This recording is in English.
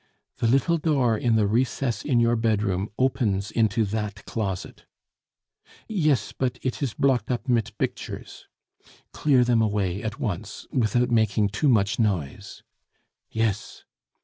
"The little door in the recess in your bedroom opens into that closet." "Yes, but it is blocked up mit bictures." "Clear them away at once, without making too much noise." "Yes."